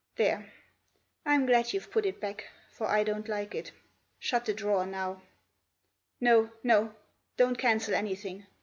There! I'm glad you've put it back; for I don't like it. Shut the drawer now. No no don't cancel anything.